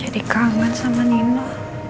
jadi kangen sama nino